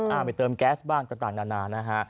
ไปเติมแก๊สบ้างต่างนานานะฮะ